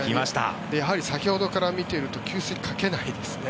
やはり先ほどから見ていると給水をかけないですね。